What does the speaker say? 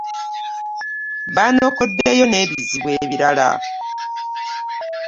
Banokoddeyo n'evizibu ebirala.